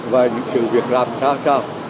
và những sự việc làm sao